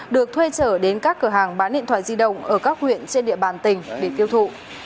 được thuê trở đến các cửa hàng bán điện thoại di động ở các huyện trên địa bàn tỉnh để tiêu thụ